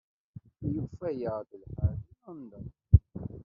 Yufa-aɣ-d lḥal deg London.